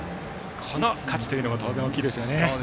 この価値というのは当然大きいですよね。